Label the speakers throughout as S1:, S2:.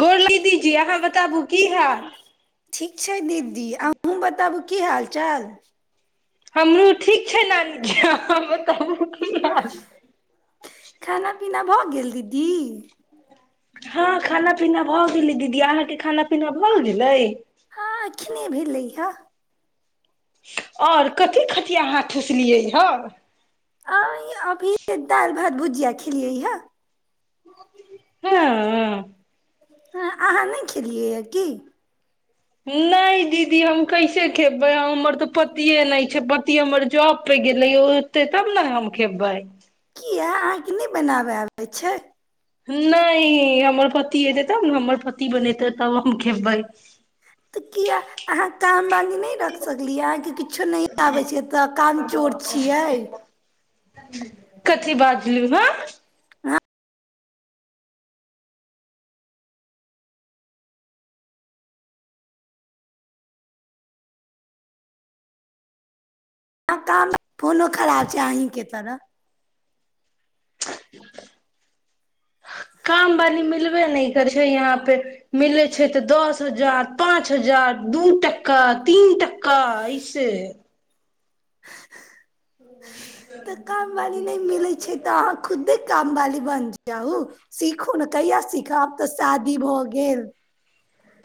S1: गोर लगै दीदी अहाँ बताबु की हाल
S2: ठीक छै दीदी अहूँ बताबू की हाल चाल
S1: हमहूँ ठीक छै नानी अहाँ बताबु की हाल
S2: खाना पीना भऽ गेल दीदी
S1: हँ खाना पीना भऽ गेली दीदी अहाँ के खाना पीना भऽ गेलै
S2: हँ एखने भेलै हा
S1: आओर कथी कथि अहाँ ठुसलियै हन
S2: अंय अभी दालि भात भुजिया खेलियै हे
S1: हँ ह
S2: अं अहाँ नहि खेलियैए की
S1: नहि दीदी हम कैसे खेबै हमर तऽ पतिए नहि छै पति हमर जॉब पर गेलै ओतै तब ने हम खेबै
S2: इहा अहाँके नहि बनाबे आबै छै
S1: नहि हमर पति एते तब ने हमर पति बनेतै तब हम खेबैय
S2: तऽ किया अहाँ काम बन्द नहि रख सकलियै अहाँके किछो नहि आबै छै तऽ काम चोर छियै
S1: [unintelligible]
S2: हँ काम फोनो खराब छै अहीँके तरह
S1: काम वाली मिलबे नहि करै छै यहाँ फेर मिलै छै तऽ दस हजार पाँच हजार दू टका तीन टका ऐसे
S2: तऽ काम वाली नहि मिलै छै तऽ अहाँ खुदे काम वाली जाहु सीखू ने कहिया सिखब आब तऽ शादी भऽ गेल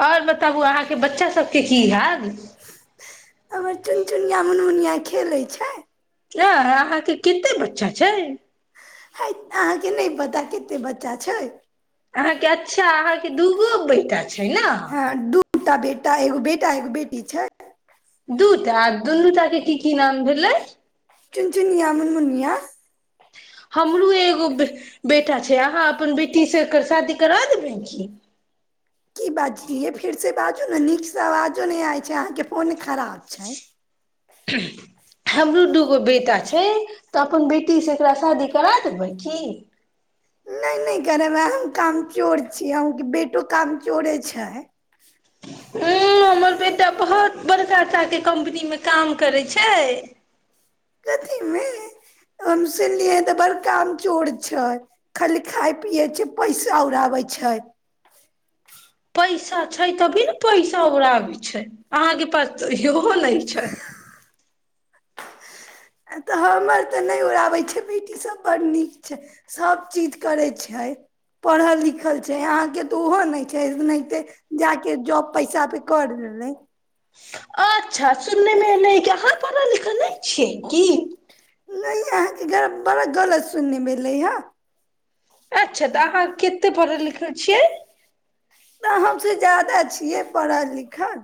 S1: आओर बताबु अहाँके बच्चा सबके की हाल
S2: हमर चुनचुनियाँ मुनमुनीयाँ खेलै छै
S1: हँ अहाँके कते बच्चा छै
S2: हय अहाँके नहि पता कते बच्चा छै
S1: अहाँके अच्छा अहाँ दूगो बेटा छै न
S2: त एगो बेटा एगो बेटी छै
S1: दू टा दूनू टा के की की नाम भेलै
S2: चुनचुनियाँ मुनमुनियाँ
S1: हमरो एगो बे बेटा छै अहाँ अपन बेटीसँ एकर शादी करा देबै की
S2: की बाजलियै फेरसँ बाजू ने नीकसँ आवाजो नहि आबै छै अहाँके फोन खराब छै
S1: हमरो दूगो बेटा छै तऽ अपन बेटी से एकरा शादी करा देबै की
S2: नहि नहि करेबै हम काम चोर छी अन्हु के बेटी काम चोरे छै
S1: अं हमर बेटा बहुत बड़काटाके कम्पनीमे काम करै छै
S2: कथीमे हम सुनलियै तऽ बड़ काम चोर छै खाली खाइ पियै छै पैसा उड़ाबै छै
S1: पैसा छै तभी ने पैसा उड़ाबै छै अहाँके पास त इहो ओ नहि छै
S2: तऽ हमर तऽ नहि उड़ाबै छै बटीसभ बड्ड नीक छै सभचीज करै छै पढ़ल लिखल छै अहाँके तऽ ओहो नहि छैओनाहींते जा कऽ जॉब पैसा पे कर लेलै
S1: अच्छा सुननेमे एलै अहाँ पढ़ल लिखल नहि छियै की
S2: नहि अहाँके गर बड़ा गलत सुनने मे एलै हें
S1: अच्छा तऽ अहाँ कतेक पढ़ल लिखल छियै
S2: त हमसे ज्यादा छियै पढ़ल लिखल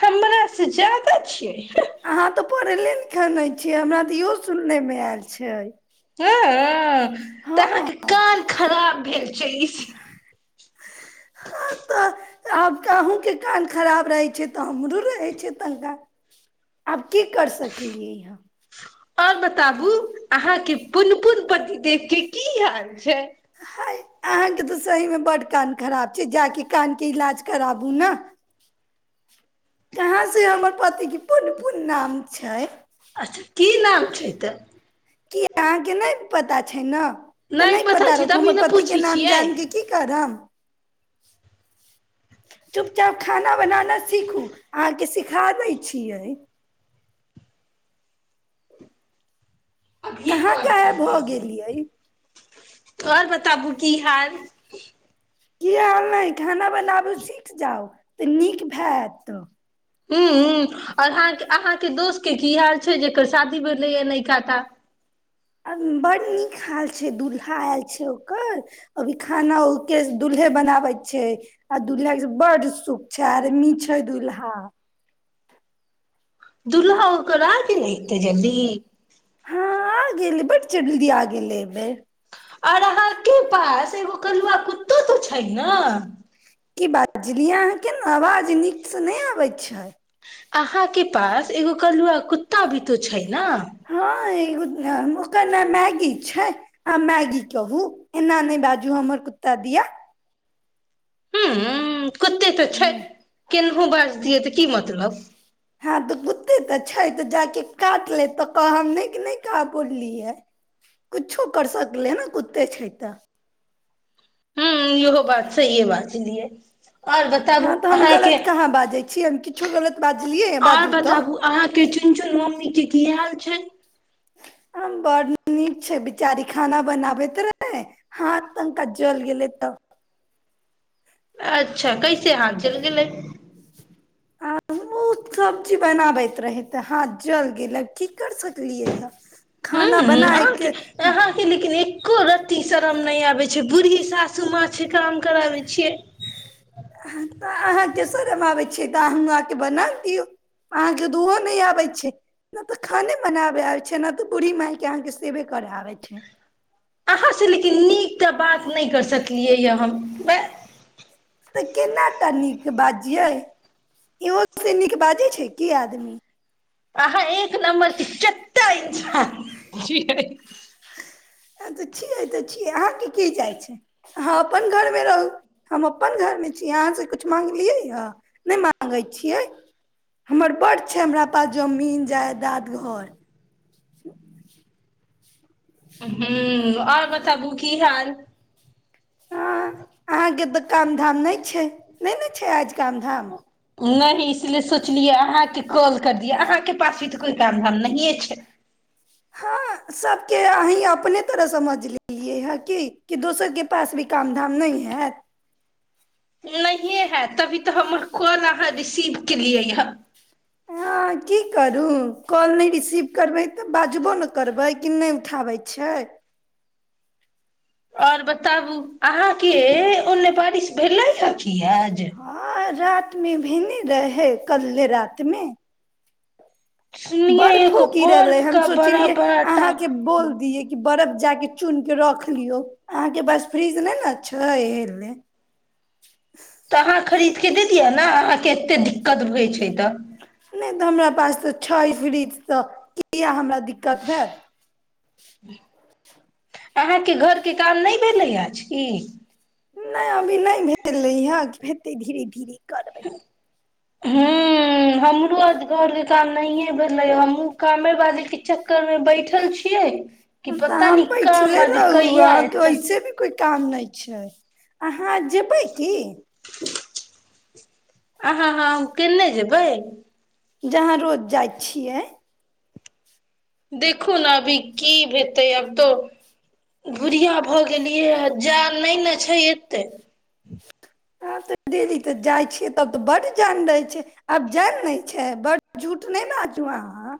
S1: हमरासँ ज्यादा छियै हँ
S2: अहाँ तऽ पढ़ैले लिखल नहि छियै हमरा तऽ इहो सुननेमे आयल छै
S1: हँ तऽ
S2: हँ
S1: अहाँके कान खराब भेल छै इ-
S2: अं आब अन्हु के कान खराब रहे छै तऽ हमरो रहै छै तनका आब की कर सकलियै
S1: आओर बताबू अहाँके पुनपुनपति देखी की हाल छै
S2: हय अहाँके तऽ सही मे बड्ड कान खराब छै जाके कान के इलाज कराबू न कहाँ से हमर पति के पुन पुन नाम छै
S1: अच्छा की नाम छै त
S2: किया अहाँके नहि पता छै न तऽ नहि पता
S1: छै
S2: रखू
S1: तभी
S2: हमर
S1: ने
S2: पति के
S1: पूछै
S2: नाम
S1: छियै
S2: जान के की करब [inaudible] चुपचाप खाना बनाना सीखू अहाँके सिखा दै छियै कहाँ गायब भऽ गेलियै
S1: आओर बताबू की हाल
S2: की आएल नहि खाना बनाबु सीख जाउ तऽ नीक हायत
S1: हूँ
S2: [unintelligible] [inaudible]
S1: हूँ आओर अहाँके अहाँ के दोस्त के की हाल छै जेकर शादी भेलैया नयका टा
S2: आ बड़ नीक हाल छै दुूल्हा आएल छै ओकर अभी खाना ओके दुल्हे बनाबै छै आ दुूल्हाके बड सुख छै आर्मी छै दुूल्हा
S1: दुल्हा ओकर आ गेल हेतै जल्दी
S2: हँ आ गेले बड्ड जल्दी आ गेले एहि बेर
S1: आओर अहाँ के पास एगो कलुआ कु- कतऽ तऽ छहिन न
S2: की बात कैलिए अहाँके ने आवाज नीकसँ नहि आबै छै
S1: अहाँ के पास एगो कलुआ कुत्ता भी त छै न
S2: एगो हँ ओकर नाम मैगी छै आ मैगी कहू एना नहि बाजू हमर त दिय
S1: हूँ कते तऽ छै
S2: ह
S1: केल- उ बाजि तीयै तऽ की मतलब
S2: हँं तऽ कुत्ते तऽ छै तऽ जाके काटि लेत तऽ कहब नहि के नहि कहब बोललियै ह किछो करि सकलै हन ने कुत्ते छै तऽ
S1: हूँ इहो बात सहीये बाजलिए आओर बताबु
S2: हँ तऽ हम
S1: अहाँके
S2: गलत कहाँ बाजै छी हम किछो गलत बाजलियै
S1: आओर
S2: बाजू तऽ
S1: बताबु अहाँके चुन चुन मम्मी के की हाल छै
S2: आ बड नीक छै बिचारी खाना बनाबैत रहै हँ तनका जल गेलै तब
S1: अच्छा कैसे हाथ जड़ गेलै
S2: आ हमहूँ सब्जी बनाबैत रहै त हाथ जल गेलै की कर सकलियै हन
S1: हूँ अहाँ अहाँ के लेकिन एक एको रती शर्म नहि आबै छै जे बूढ़ी सासू मा छै काम कराबै छियै
S2: अहाँ के शर्म आबै छै त अन्हु आके बना दियौ अहाँके त उहो नहि आबै छै नहि तऽ खाने बनाबे आब छै न बूढ़ी मायके अहाँके सेवे कर आबै छै
S1: अहाँ से लेकिन नीक तऽ बात नहि कर सकलियै या हम
S2: तऽ केना तनी बाजियै इहो से नीक बाजै छै की आदमी
S1: आहाँ एक नंबर के चो- [unintelligible]
S2: हँ तऽ छियै तऽ छियै अहाँके की जाइ छै अहाँ अपन घरमे रहू हम अपन घरमे छी अहाँ से किछु मागलियै हन नहि मागै छियै हमर बड्ड छै हमरा पास जमीन जायदाद घर
S1: हूँ आओर बताबू की हाल
S2: हँ अहाँके तऽ काम धाम नहि छै नहि ने छै आज काम धाम
S1: नहि इसलिए सोचलियै अहाँके कॉल कर दिय अहाँके पास भी तऽ कोइ काम धाम नहियै छै
S2: हँ सबके अहीं अपने तरह समझ लेलियै हँ की दोसर के पास भी काम धाम नहि हाएत
S1: नहि हें हाएत तभी तऽ हमर कॉल अहाँ रिसीव केलियै ह
S2: हँ की करू कॉल नहि रिसीव करबै तऽ बाजबो ने करबै कि नहि उठाबै छै
S1: ओर बताबू अहाँके ओने बारिश भेलै या की ई हाए जे
S2: हँ रात मे भेलै रहै कलहे रातमे
S1: सुनिये
S2: बर्फो
S1: एगो
S2: गिरल अइ
S1: बर्फ
S2: हम
S1: का बड़ा
S2: सोचलियै
S1: बड़ा टा
S2: अहाँके
S1: तऽ
S2: बोल दियै की बर्फ जाके चुन के रख लियौ अहाँ के पास फ्रिज नेय न छै एय लिए
S1: तऽ अहाँ खरीदके दे दियअ ने अहाँके एते दिक्कत होइ छै तऽ
S2: नहि तऽ हमरा पास तऽ छै फ्रिज त किया हमरा दिक्कत हाएत
S1: अहाँके घरके काम नहि भेलै आज की
S2: नहि अभी नहि भेलै हँ हेतै धीरे धीरे करबै
S1: हँ हमरो आज घरे काम नहिये भेलै हमहुँ कामे वाली के चक्कर मे बैठल छियै कि
S2: तऽ
S1: पता
S2: अन्हा
S1: नहि काम
S2: बैठले
S1: बाली
S2: रहु
S1: कहिया
S2: अहाँ के
S1: एतै
S2: ओयसे भी कोइ काम नहि छै अहाँ जेबै की
S1: [unintelligible] अहाँ हँ केन्ने जेबै
S2: जहाँ रोज जाइ छियै
S1: देखू ने अभी की हेतै आब तऽ भुरिया भऽ गेलियै जान नहि न छै एते
S2: आब त डेली तऽ जाइ छियै तब तऽ बड्ड जान रहै छै आब जान नहि छै बड्ड झूठ नहि बाजू अहाँ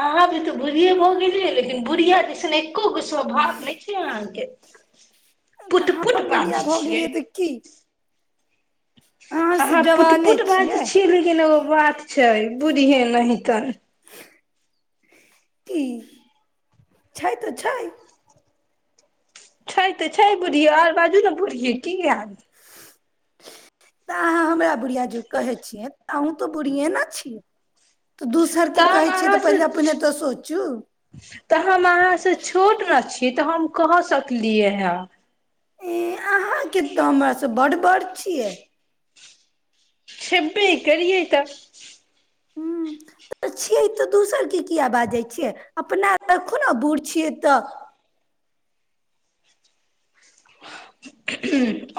S1: अहाँ तऽ बुढ़िए भऽ गेलियै लेकिन बुढ़िआ जैसन एक्को गो स्वभाव नहि छै अहाँके
S2: त
S1: पुट पुट
S2: हम बुढ़िया
S1: बाजै
S2: भऽ
S1: छियै
S2: गेलियै तऽ की
S1: अहाँ पुट पुट बाजै छियै लेकिन ओ बात छै बुढ़े नहितन।
S2: कि छै तऽ छै
S1: छै तऽ छै बुढ़िया आर बाजू ने बुढ़िये की हाल
S2: तऽ अहाँ हमरा बुढ़िया जी कहै छियै। अन्हु त बुढ़िये न छी
S1: तऽ हम अहाँ स
S2: तऽ सोचू
S1: तऽ हम अहाँ से छोट ने छी क तऽ हम कहि सकलियै हे।
S2: ई अहाँके तऽ हमरास बड्ड बड़ छियै।
S1: छेबे करियए तऽ
S2: ह्म तऽ छियै तऽ दोसरके किएिया बाजै छियै अपना रखु ने बूढ़ छियै तऽ।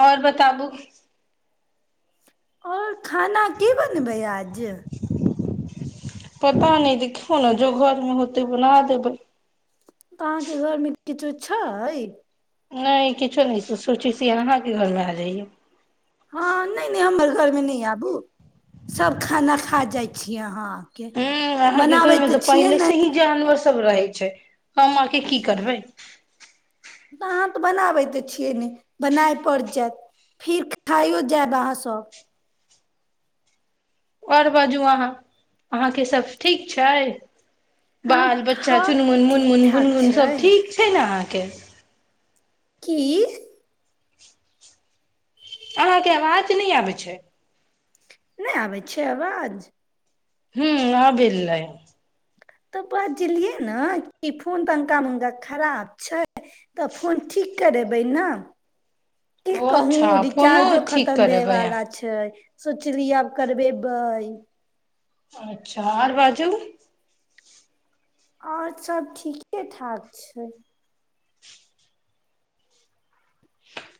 S1: आओर बताबू।
S2: आओर। खाना की बनबै आज।
S1: पता नहि देखियौ ने जो घरमे होतै बना देबै।
S2: तऽ अहाँके घरमे किछो छैय
S1: नहि किछो नहि छै सोचै छी अहाँके घरमे आ जईयै
S2: हँ नहि नहि हमर। घरमे नहि आबू सब खाना खा जाइ छी अहाँ। आके
S1: हूँ अहाँके घर
S2: बनाबै
S1: में तऽ
S2: छियै
S1: पहिले
S2: ने
S1: से ही जान - रहै छै हम अके की करबै।
S2: तऽ अहाँ तऽ बनाबै तऽ छियै ने बनाय पड़ि जायत फेर खाइयो जायब अहाँसभ।
S1: आओर बाजू अहाँ अहाँके सभ ठीक छै।
S2: हँ
S1: बाल बच्चा
S2: ठाप
S1: चुनमुन
S2: ठीक
S1: मुुनमुन
S2: ठाक
S1: गुनगुन सब
S2: छै
S1: ठीक छै ने अहाँ ीक।
S2: की
S1: अहाँके आवाज नहि आबै छै।
S2: नहि आबै छै आवाज
S1: हूँ आब एलै
S2: तऽ बाजलियै ने कि फोन तऽ अका मुका खराब छै। तऽ फोन ठीक करेबै न की
S1: ओ अच्छा
S2: कहूँ
S1: फोनो
S2: रिचार्जो
S1: ठीक
S2: खतम भए
S1: करेबै
S2: वला
S1: अहाँ
S2: छै सोचलिय आब करबे बइ।
S1: अच्छा आर बाजू।
S2: आओर सब ठीके ठाक छै।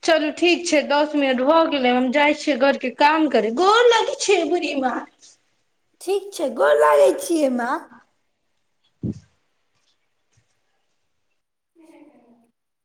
S1: चलू ठीक छै दस। दच मिनट भऽ गेले हम जाइ छियै घर के काम करे गोर लग छै बूढ़ी मार।
S2: ठीक छै गोर लागै छियैमे।
S1: [unintelligible]
S2: [inaudible]